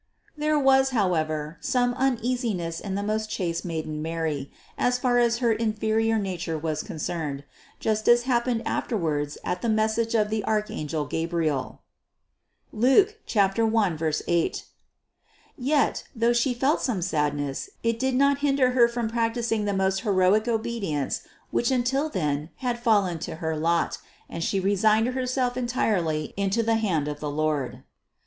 There was, however, some uneasiness in the most chaste maiden Mary, as far as her inferior nature was concerned, just as happened afterwards at the message of the archangel Gabriel (Luke 1, 8) ; yet, though She felt some sadness, it did not hinder Her from practicing the most heroic obedi ence which until then had fallen to her lot, and She re signed Herself entirely into the hand of the Lord.